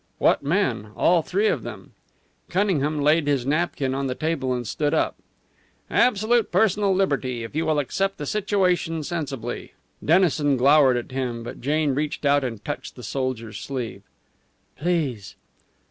What men, all three of them! Cunningham laid his napkin on the table and stood up. "Absolute personal liberty, if you will accept the situation sensibly." Dennison glowered at him, but Jane reached out and touched the soldier's sleeve. "Please!"